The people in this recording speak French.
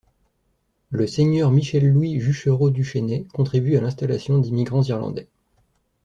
Le seigneur Michel-Louis Juchereau Duchesnay contribue à l'installation d'immigrants irlandais.